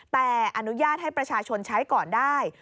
แต่อนุญาตให้ประชาชนใช้ก่อนได้